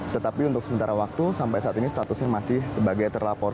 tetapi untuk sementara waktu sampai saat ini statusnya masih sebagai terlapor